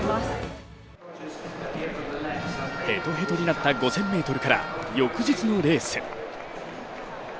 ヘトヘトになった５０００ｍから翌日のレース。